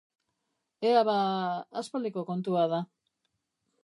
Ea ba... aspaldiko kontua da.